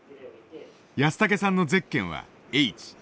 安竹さんのゼッケンはＨ。